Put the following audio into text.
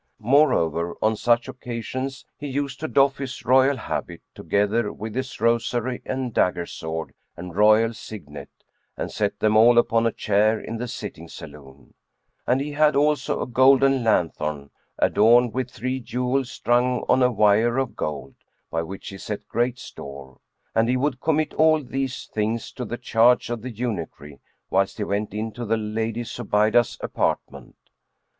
Moreover, on such occasions he used to doff his royal habit, together with his rosary and dagger sword and royal signet, and set them all upon a chair in the sitting saloon: and he had also a golden lanthorn, adorned with three jewels strung on a wire of gold, by which he set great store; and he would commit all these things to the charge of the eunuchry, whilst he went into the Lady Zubaydah's apartment.